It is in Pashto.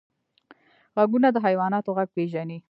غوږونه د حیواناتو غږ پېژني